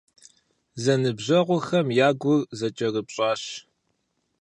Зэныбжьэгъухэм я гур зэкӀэрыпщӀащ.